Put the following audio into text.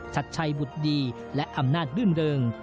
ชัดชัยบุตรดีและอำนาจรื่นเริง